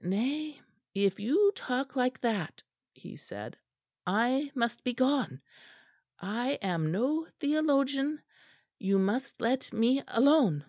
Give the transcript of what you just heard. "Nay, if you talk like that," he said, "I must be gone. I am no theologian. You must let me alone."